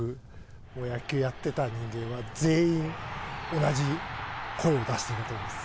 もう野球やってた人間は全員同じ声を出していたと思います。